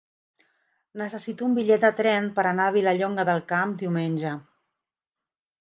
Necessito un bitllet de tren per anar a Vilallonga del Camp diumenge.